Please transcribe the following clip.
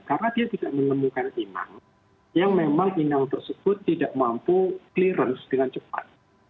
karena dia bisa menemukan imang yang memang imang tersebut tidak mampu clearance dengan cepat